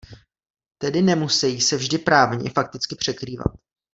Tedy nemusejí se vždy právně i fakticky překrývat.